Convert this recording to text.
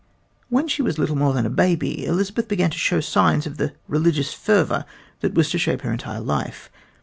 When she was little more than a baby Elizabeth began to show signs of the religious fervor that was to shape her entire life.